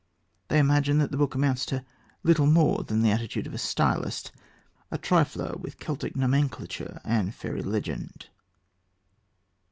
They imagine that the book amounts to little more than the attitude of a stylist, a trifler with Celtic nomenclature and fairy legend.